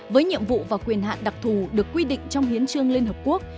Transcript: với nhiệm vụ và quyền hạn đặc thù được quy định trong hiến trương liên hợp quốc